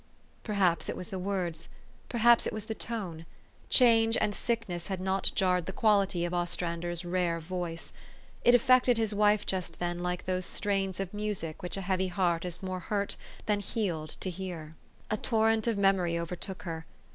Perhaps it was the words ; perhaps it was the tone. Change and sickness had not jarred the quality of Ostrander's rare voice. It affected his wife just then like those strains of music which a heavy heart is more hurt than healed to hear. A torrent of memory overtook her.